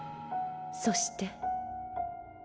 そして。